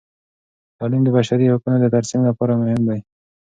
تعلیم د بشري حقونو د ترسیم لپاره مهم دی.